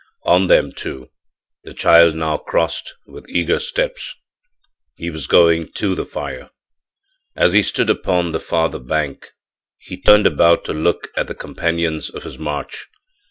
On them, too, the child now crossed with eager steps; he was going to the fire. As he stood upon the farther bank he turned about to look at the companions of his march.